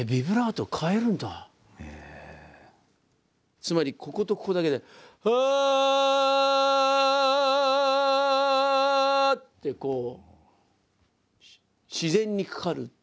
つまりこことここだけで「ア」ってこう自然にかかる。